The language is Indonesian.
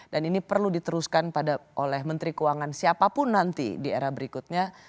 dan ini perlu diteruskan oleh menteri keuangan siapapun nanti di era berikutnya